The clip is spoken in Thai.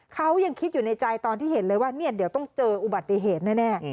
เขายังคิดอยู่ในใจตอนที่เห็นเลยว่าเนี่ยเดี๋ยวต้องเจออุบัติเหตุแน่